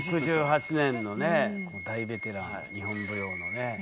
６８年のね大ベテラン日本舞踊のね。